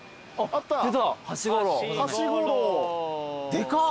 でかっ。